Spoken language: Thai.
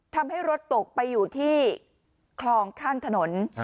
ทำให้รถตกไปอยู่ที่คลองข้างถนน